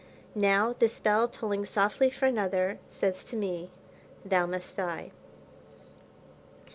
Now, this bell tolling softly for another, says to me: Thou must die.